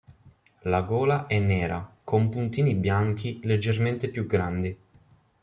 La gola è nera, con puntini bianchi leggermente più grandi.